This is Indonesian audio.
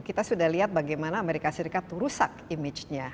kita sudah lihat bagaimana amerika serikat rusak image nya